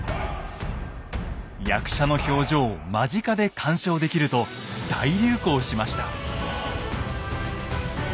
役者の表情を間近で鑑賞できると大流行しました。